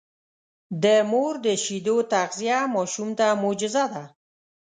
د مور د شیدو تغذیه ماشوم ته معجزه ده.